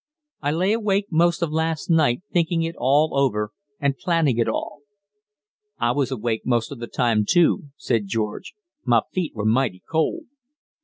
I lay awake most of last night thinking it all over and planning it all." "I was awake most of the time, too," said George; "my feet were mighty cold."